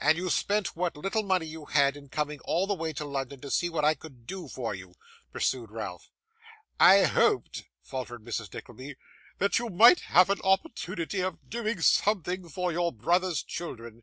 'And you spent what little money you had, in coming all the way to London, to see what I could do for you?' pursued Ralph. 'I hoped,' faltered Mrs. Nickleby, 'that you might have an opportunity of doing something for your brother's children.